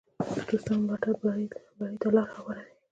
د دوستانو ملاتړ بری ته لار هواروي.